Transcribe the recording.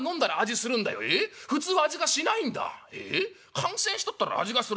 感染しとったら味がする？